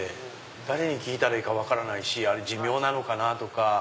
誰に聞いたらいいか分からないし寿命なのかな？とか。